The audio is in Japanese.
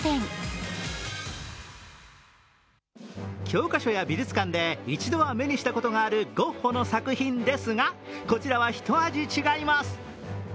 教科書や美術館で一度は目にしたことがあるゴッホの作品ですがこちらはひと味違います。